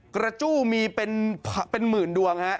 กระจู้มีเป็นหมื่นดวงฮะ